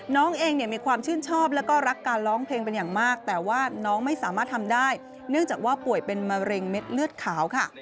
น้องเองเนี่ยมีความชื่นชอบแล้วก็รักการร้องเพลงเป็นอย่างมากแต่ว่าน้องไม่สามารถทำได้เนื่องจากว่าป่วยเป็นมะเร็งเม็ดเลือดขาวค่ะ